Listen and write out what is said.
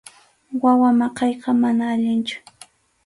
Wawa maqayqa manam allinchu.